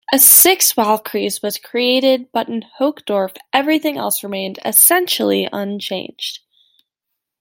A sixth Wahlkreis was created, but in Hochdorf everything else remained essentially unchanged.